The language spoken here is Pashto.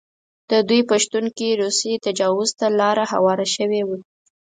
د دوی په شتون کې روسي تجاوز ته لاره هواره شوې وه.